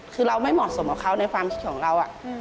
คือเราไม่เหมาะสมกับเขาในความคิดของเรา